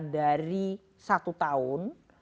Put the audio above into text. dari satu tahun